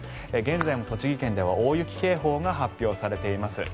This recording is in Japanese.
現在も栃木県では大雪警報が発表されています。